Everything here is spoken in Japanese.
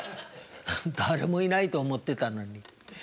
誰もいないと思ってたのに。